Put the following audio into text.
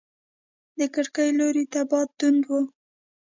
د کړکۍ لوري ته باد تونده و.